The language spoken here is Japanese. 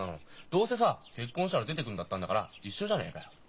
どうせさ結婚したら出てくんだったんだから一緒じゃねえかよ。